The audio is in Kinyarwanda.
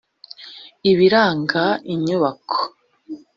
ibiranga inyubako